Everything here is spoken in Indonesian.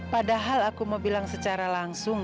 padahal aku mau bilang secara langsung